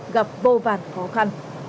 gặp vô vàn khó khăn